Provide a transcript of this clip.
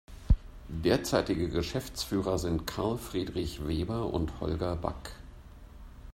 Derzeitige Geschäftsführer sind Karl Friedrich Weber und Holger Back.